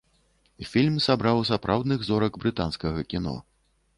Фільм сабраў сапраўдных зорак брытанскага кіно.